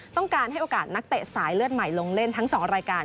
ต้องการให้โอกาสนักเตะสายเลือดใหม่ลงเล่นทั้ง๒รายการ